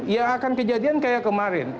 ya akan kejadian kayak kemarin